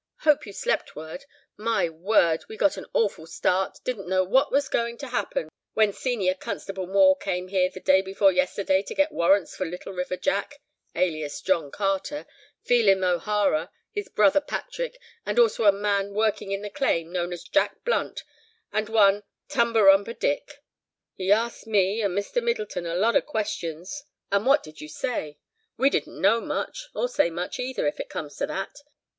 "Hope you slept well. My word! we got an awful start, didn't know what was going to happen, when Senior Constable Moore came here the day before yesterday to get warrants for Little River Jack (alias John Carter), Phelim O'Hara, his brother Patrick, and also a man working in the claim, known as Jack Blunt, and one 'Tumberumba Dick.' Asked me and Mr. Middleton a lot of questions." "And what did you say?" "We didn't know much, or say much either, if it comes to that.